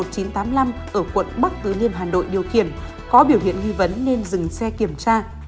ở quận bắc tứ liêm hà nội điều khiển có biểu hiện nghi vấn nên dừng xe kiểm tra